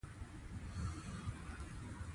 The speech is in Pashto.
په پښتو ادب کښي مقام لرونکى کتاب پټه خزانه دئ.